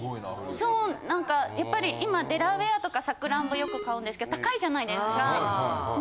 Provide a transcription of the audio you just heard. そう今デラウェアとかサクランボよく買うんですけど高いじゃないですかね。